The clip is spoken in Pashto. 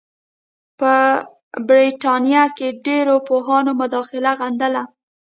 په برټانیه کې ډېرو پوهانو مداخله غندله.